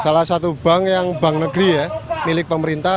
salah satu bank yang bank negeri ya milik pemerintah